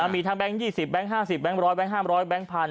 มีทั้งแบงค์ยี่สิบแบงค์ห้าสิบแบงค์ร้อยแบงค์ห้ามร้อยแบงค์พันธุ์